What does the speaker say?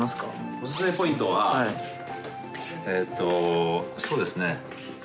オススメポイントはえっとそうですね